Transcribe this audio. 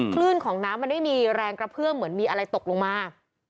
คลื่นของน้ำมันไม่มีแรงกระเพื่อมเหมือนมีอะไรตกลงมา